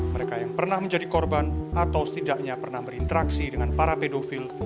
mereka yang pernah menjadi korban atau setidaknya pernah berinteraksi dengan para pedofil